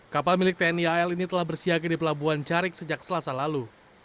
kapal milik tni al ini telah bersiaga di pelabuhan carik sejak selasa lalu